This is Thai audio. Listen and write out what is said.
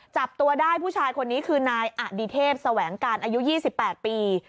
จับตัวได้ผู้ชายคนนี้คือนายอดิเทพแสวงการอายุ๒๘ปี